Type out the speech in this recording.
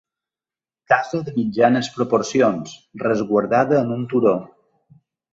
Casa de mitjanes proporcions, resguardada en un turó.